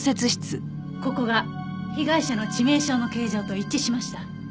ここが被害者の致命傷の形状と一致しました。